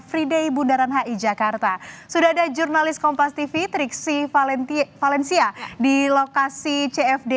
free day bundaran hi jakarta sudah ada jurnalis kompas tv triksi valencia di lokasi cfd